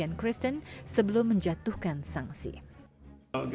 imigrasi ini akan menyebabkan kegiatan kegiatan kegiatan keimigrasi